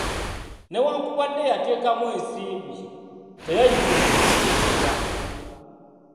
Newankubadde yateekamu ensimbi, teyayise mu kusunsula.